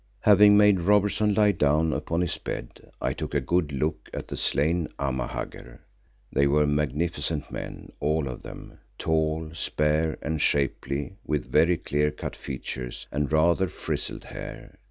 Having made Robertson lie down upon his bed, I took a good look at the slain Amahagger. They were magnificent men, all of them; tall, spare and shapely with very clear cut features and rather frizzled hair.